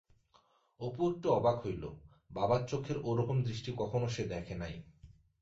অপু একটু অবাক হইল, বাবার চোখের ওরকম দৃষ্টি কখনও সে দেখে নাই।